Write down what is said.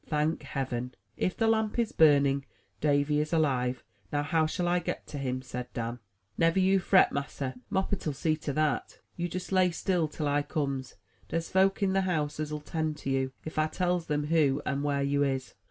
'Thank heaven! if the lamp is burning, Davy is alive. Now, how shall I get to him?" said Dan. "Never you fret, massa; Moppet'U see to dat. You jes lay still till I comes. Dere's folks in de house as'U tend to you, ef I tells em who and where you is."